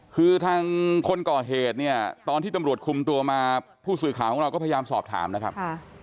คือทางคนก่อเหตุเนี่ยตอนที่ตำรวจคุมตัวมาผู้สื่อข่าวของเราก็พยายามสอบถามนะครับ